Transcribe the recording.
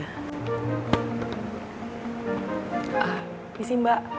ah misi mbak